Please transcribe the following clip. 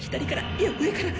いや上から。